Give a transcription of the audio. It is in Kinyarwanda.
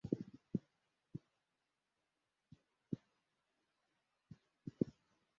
Abantu bakina siporo ifashe inkoni